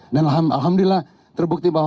dan alhamdulillah terbukti bahwa